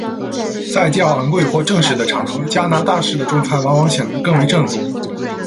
在较昂贵或正式的场合，加拿大式的中餐往往显得更为正宗。